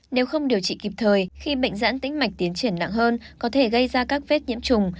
nếu không điều trị kịp thời khi bệnh giãn tính mạch tiến triển nặng hơn có thể gây ra các vết nhiễm trùng